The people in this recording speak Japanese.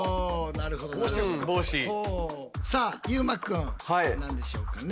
さあ優馬くん何でしょうかね？